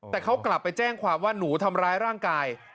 แต่เขากลับไปแจ้งความว่าหนูทำร้ายร่างกาย